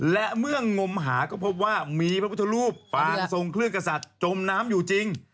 และเมื่องมหาก็พบว่ามีพระพุทธรูปปางทรงเครื่องกษัตริย์จมน้ำอยู่จริง